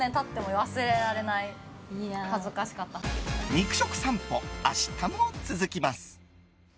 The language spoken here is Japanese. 肉食さんぽ、明日も続きます。